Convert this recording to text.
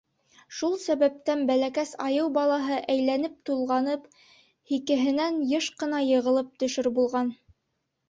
Шул сәбәптән бәләкәс айыу балаһы әйләнеп-тулғанып, һикеһенән йыш ҡына йығылып төшөр булған.